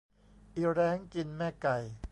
อีแร้งกินแม่ไก่